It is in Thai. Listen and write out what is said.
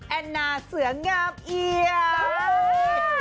แอนนาเสืองามเอียด